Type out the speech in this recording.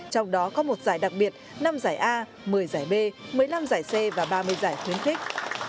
trong đó có một giải đặc biệt năm giải a một mươi giải b một mươi năm giải c và ba mươi giải khuyến khích